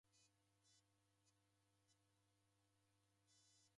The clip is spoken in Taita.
Kulow'ua lihi?